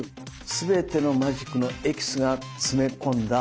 全てのマジックのエキスが詰め込んだ。